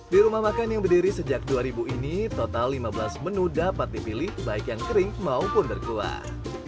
di rumah makan yang berdiri sejak dua ribu ini total lima belas menu dapat dipilih baik yang kering maupun berkuah